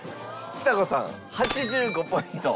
ちさ子さん８５ポイント。